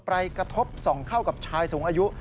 กระทบส่องเข้ากับชายสูงอายุ